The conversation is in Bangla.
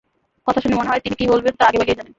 কথা শুনে মনে হয় তিনি কী বলবেন তা আগেভাগেই জানেন।